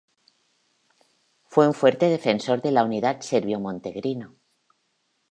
Fue un fuerte defensor de la unidad serbio-montenegrino.